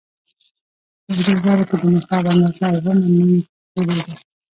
په سرو زرو کې د نصاب اندازه اووه نيمې تولې ده